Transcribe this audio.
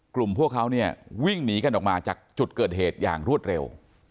พวกเขาเนี่ยวิ่งหนีกันออกมาจากจุดเกิดเหตุอย่างรวดเร็ว